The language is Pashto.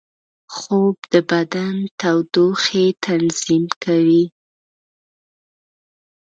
خوب د بدن تودوخې تنظیم کوي